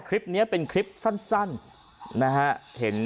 คลิปแรกเป็นคลิปสั้น